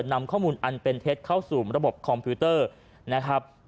นำข้อมูลอันเป็นเท็จเข้าสู่ระบบคอมพิวเตอร์นะครับ